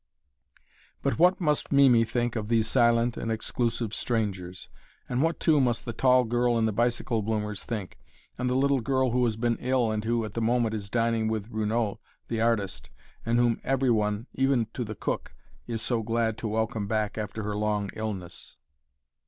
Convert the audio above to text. But what must Mimi think of these silent and exclusive strangers, and what, too, must the tall girl in the bicycle bloomers think, and the little girl who has been ill and who at the moment is dining with Renould, the artist, and whom every one even to the cook, is so glad to welcome back after her long illness?